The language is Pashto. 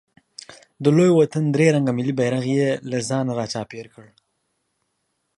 د لوی وطن درې رنګه ملي بیرغ یې له ځانه راچاپېر کړ.